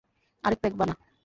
আরেক প্যাক বানা?